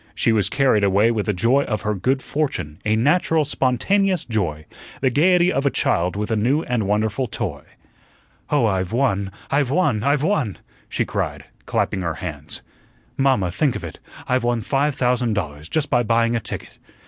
She was carried away with the joy of her good fortune, a natural, spontaneous joy the gaiety of a child with a new and wonderful toy. "Oh, I've won, I've won, I've won!" she cried, clapping her hands. "Mamma, think of it. I've won five thousand dollars, just by buying a ticket.